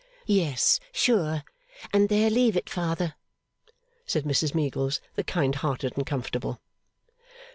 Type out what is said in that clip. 'Yes, sure, and there leave it, father,' said Mrs Meagles the kind hearted and comfortable.